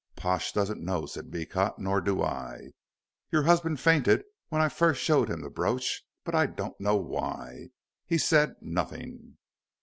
"Pash doesn't know," said Beecot, "nor do I. Your husband fainted when I first showed him the brooch, but I don't know why. He said nothing."